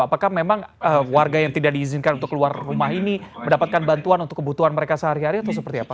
apakah memang warga yang tidak diizinkan untuk keluar rumah ini mendapatkan bantuan untuk kebutuhan mereka sehari hari atau seperti apa